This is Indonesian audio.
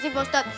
ngerti pak ustadz